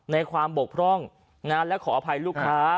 ในความบกพร่องและขออภัยลูกค้า